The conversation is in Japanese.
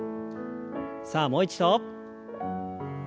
さあもう一度。